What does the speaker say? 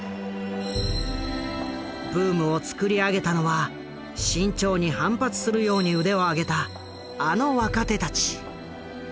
ブームをつくり上げたのは志ん朝に反発するように腕を上げたあの若手たち。